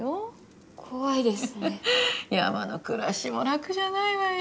山の暮らしも楽じゃないわよ。